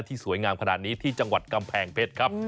สวยงามขนาดนี้ที่จังหวัดกำแพงเพชรครับ